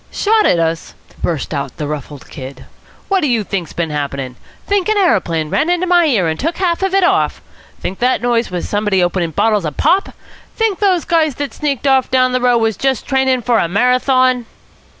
"Shot at us!" burst out the ruffled Kid. "What do you think's bin happening? Think an aeroplane ran into my ear and took half of it off? Think the noise was somebody opening bottles of pop? Think those guys that sneaked off down the road was just training for a Marathon?"